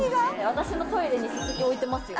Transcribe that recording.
私のトイレにススキ置いてますよ。